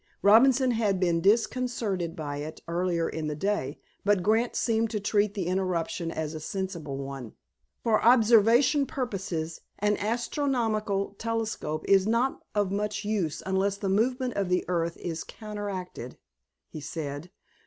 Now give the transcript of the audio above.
Robinson had been disconcerted by it earlier in the day, but Grant seemed to treat the interruption as a sensible one. "For observation purposes an astronomical telescope is not of much use unless the movement of the earth is counteracted," he said.